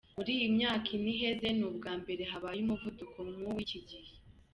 Mur'iyi myaka ine iheze, ni ubwambere habaye umuvuduko nk'uw'iki gihe.